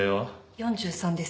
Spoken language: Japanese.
４３です。